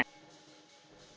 dan anak anak kecil dan seterusnya